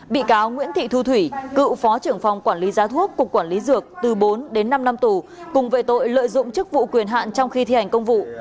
bị cáo nguyễn thị thu thủy cựu phó trưởng phòng quản lý giá thuốc cục quản lý dược từ bốn đến năm năm tù cùng về tội lợi dụng chức vụ quyền hạn trong khi thi hành công vụ